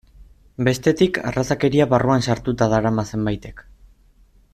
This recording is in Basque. Bestetik, arrazakeria barruan sartuta darama zenbaitek.